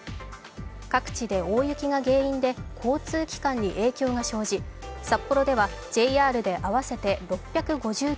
各地で大雪が原因で交通機関に影響が生じ、札幌ではＪＲで合わせて６５９本